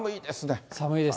寒いです。